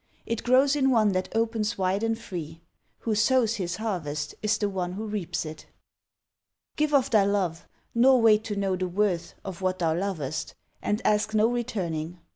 It grows in one that opens wide and free. Who sows his harvest is the one who reaps it. Give of thy love, nor wait to know the worth Of what thou lovest; and ask no returning.